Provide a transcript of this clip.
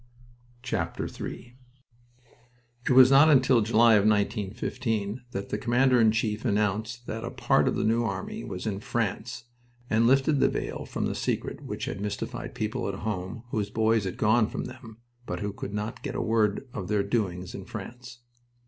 III It was not until July of 1915 that the Commander in Chief announced that a part of the New Army was in France, and lifted the veil from the secret which had mystified people at home whose boys had gone from them, but who could not get a word of their doings in France.